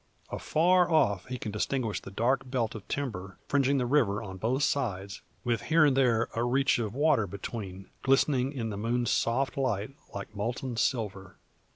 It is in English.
Afar off, he can distinguish the dark belt of timber, fringing the river on both sides, with here and there a reach of water between, glistening in the moon's soft light like molten silver.